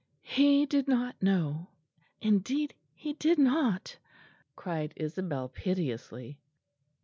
"He did not know; indeed he did not," cried Isabel piteously.